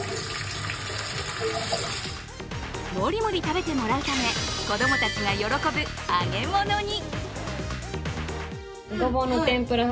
もりもり食べてもらうため子供たちが喜ぶ揚げ物に。